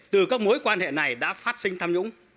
từ các mối quan hệ này đã phát sinh tham nhũng